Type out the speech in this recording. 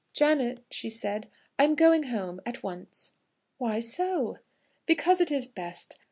"Janet," she said, "I am going home at once." "Why so?" "Because it is best.